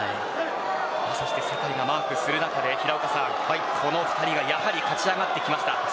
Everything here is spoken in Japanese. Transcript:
そして世界がマークする中でこの２人がやはり勝ち上がってきました。